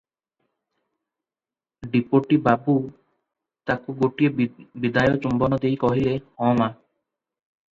Deputy ବାବୁ ତାକୁ ଗୋଟିଏ ବିଦାୟ ଚୁମ୍ବନ ଦେଇ କହିଲେ, "ହଁମା!